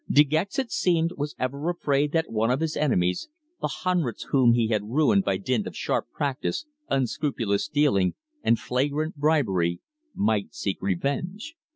De Gex, it seemed, was ever afraid that one of his enemies, the hundreds whom he had ruined by dint of sharp practice, unscrupulous dealing, and flagrant bribery, might seek revenge.